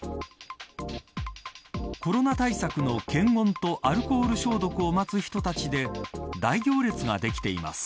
コロナ対策の検温とアルコール消毒を待つ人たちで大行列ができています。